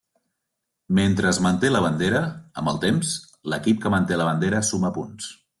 Mentre es manté la bandera, amb el temps, l'equip que manté la bandera suma punts.